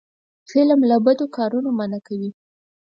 فلم له بدو کارونو منع کوي